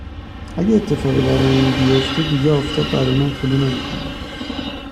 اگه اتفاقی برای این بیفته دیگه آفتاب برای من طلوع نمیکنه